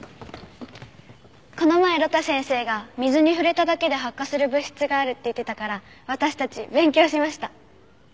この前呂太先生が水に触れただけで発火する物質があるって言ってたから私たち勉強しました。